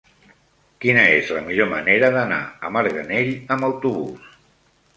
Quina és la millor manera d'anar a Marganell amb autobús?